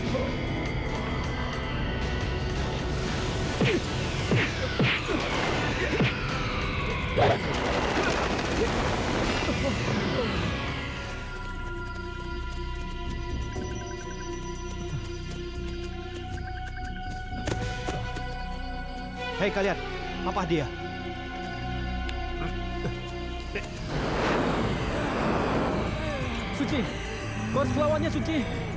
suci kau harus lawannya suci